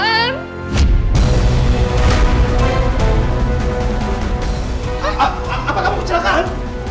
apa kamu kecelakaan